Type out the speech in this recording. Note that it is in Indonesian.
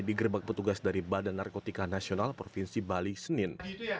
digerebek petugas dari badan narkotika nasional provinsi bali senin